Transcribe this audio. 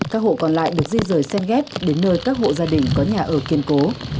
các hộ còn lại được di rời sen ghép đến nơi các hộ gia đình có nhà ở kiên cố